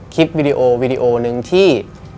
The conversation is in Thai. คลิปวิดีโอวีดีโอนึงที่